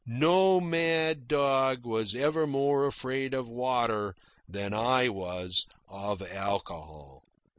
No mad dog was ever more afraid of water than was I of alcohol.